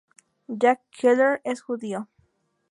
Jack Geller es judío.